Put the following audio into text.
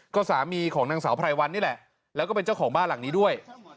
ก็สามีของนางสาวไพรวันนี่แหละแล้วก็เป็นเจ้าของบ้านหลังนี้ด้วย